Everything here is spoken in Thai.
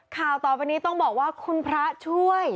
ข่าวต่อไปนี้ต้องบอกว่าคุณพระช่วย